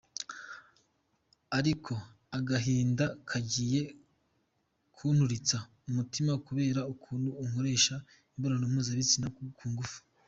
Ariko agahinda kagiye kunturitsa umutima kubera ukuntu ankoresha imibonano mpuzabitsina ku ngufu.